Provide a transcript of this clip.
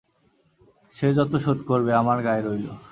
সে যত শোধ করবে আমার গায়ে রইল!